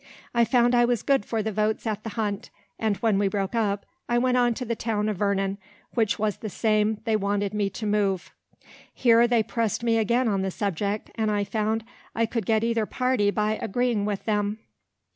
I found I was good for the votes at the hunt, and when we broke up, I went on to the town of Vernon, which was the same they wanted me to move. Here they pressed me again on the subject, and I found I could get either party by agreeing with them.